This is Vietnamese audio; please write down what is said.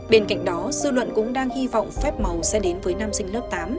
bên cạnh đó dư luận cũng đang hy vọng phép màu sẽ đến với nam sinh lớp tám